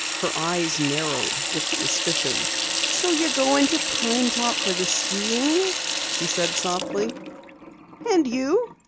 Her eyes narrowed with suspicion. "So you're going out to Pine Top for the skiing," she said softly. "And you?"